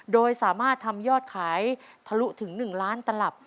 โดยสามารถทำยอดขายทะลุถึง๑ล้านตลับ